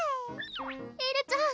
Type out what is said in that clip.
エルちゃん